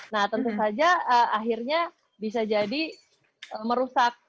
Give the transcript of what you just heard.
nah tentu saja akhirnya bisa jadi merusak